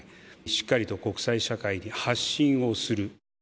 しっかりと国際社会に発信をする。